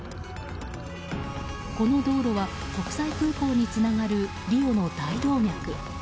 この道路は国際空港につながるリオの大動脈。